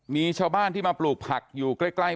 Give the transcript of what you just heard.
มีชาวบ้านที่มาปลูกผักอยู่ใกล้